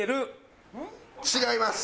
違います。